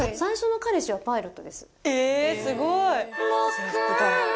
制服だ。